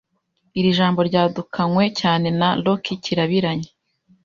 Iri jambo ryadukanywe cyane na Rocky Kirabiranya